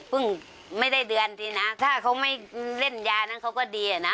ไม่ได้เดือนทีนะถ้าเขาไม่เล่นยานั้นเขาก็ดีอะนะ